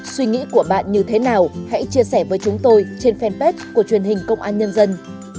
suy nghĩ của bạn như thế nào hãy chia sẻ với chúng tôi trên fanpage của truyền hình công an nhân dân